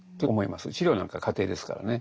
治療なんかは過程ですからね。